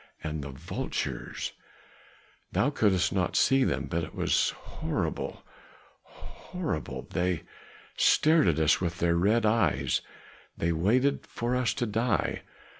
And the vultures thou could'st not see them, but it was horrible horrible! They stared at us with their red eyes, they waited for us to die.